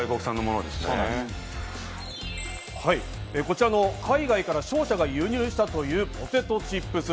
こちらの海外から商社が輸入したというポテトチップス。